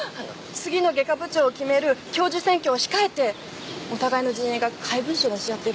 次の外科部長を決める教授選挙を控えてお互いの陣営が怪文書を出し合ってるのよ。